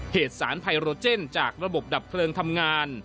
เหตุสารไพโรเจนจากระบบดับเพลิงทำงาน